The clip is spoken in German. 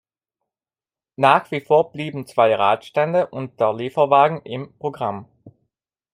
Nach wie vor blieben zwei Radstände und der Lieferwagen im Programm.